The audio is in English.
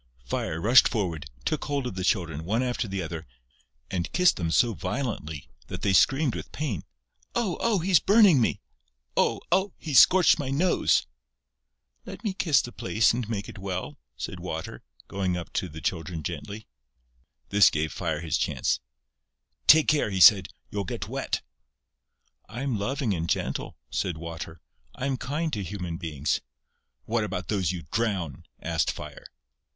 Fire rushed forward, took hold of the Children, one after the other, and kissed them so violently that they screamed with pain: "Oh! Oh!... He's burning me!..." "Oh! Oh!... He's scorched my nose!..." "Let me kiss the place and make it well," said Water, going up to the children gently. This gave Fire his chance: "Take care," he said, "you'll get wet." "I am loving and gentle," said Water. "I am kind to human beings...." "What about those you drown?" asked Fire.